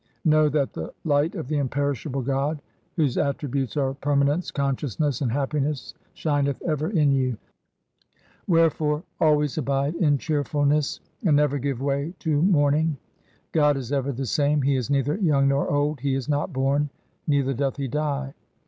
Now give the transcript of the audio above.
Know that the light of the imperishable God whose attri LIFE OF GURU GOBIND SINGH 243 butes are permanence, consciousness, and happiness, shineth ever in you. Wherefore always abide in cheerfulness, and never give way to mourning. God is ever the same. He is neither young nor old. He is not born, neither doth he die.